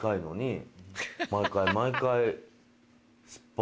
毎回毎回。